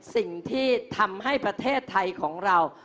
สิ่งที่ทำให้ประเทศไทยของเรา